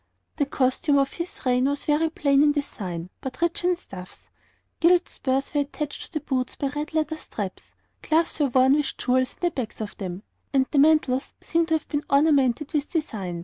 The costume of this reign was very plain in design, but rich in stuffs. Gilt spurs were attached to the boots by red leather straps, gloves were worn with jewels in the backs of them, and the mantles seem to have been ornamented with designs.